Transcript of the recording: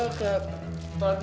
hobi kemana sih